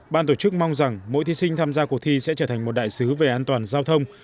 ban tổ chức mong rằng mỗi thí sinh tham gia cuộc thi sẽ trở thành một đại sứ về an toàn giao thông